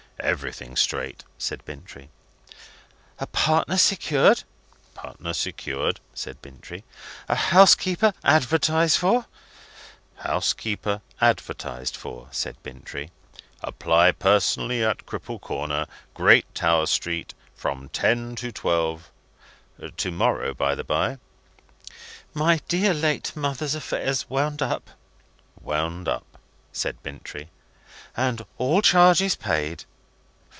"Everything straight," said Bintrey. "A partner secured " "Partner secured," said Bintrey. "A housekeeper advertised for " "Housekeeper advertised for," said Bintrey, "'apply personally at Cripple Corner, Great Tower Street, from ten to twelve' to morrow, by the bye." "My late dear mother's affairs wound up " "Wound up," said Bintrey. "And all charges paid."